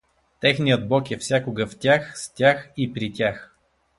Техният бог е всякога в тях, с тях и при тях.